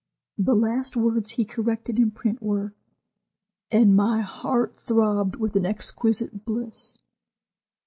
The last words he corrected in print were 'and my heart throbbed with an exquisite bliss.